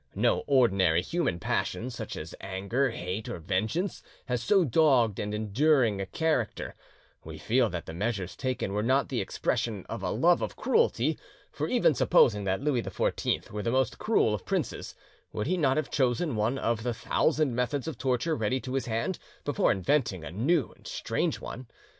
No ordinary human passion, such as anger, hate, or vengeance, has so dogged and enduring a character; we feel that the measures taken were not the expression of a love of cruelty, for even supposing that Louis XIV were the most cruel of princes, would he not have chosen one of the thousand methods of torture ready to his hand before inventing a new and strange one?